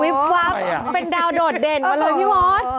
วิบว๊าบเป็นดาวโดดเด่นมาเลยพี่วอท